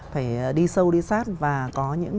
phải đi sâu đi sát và có những